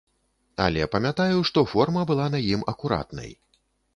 Але памятаю, што форма была на ім акуратнай.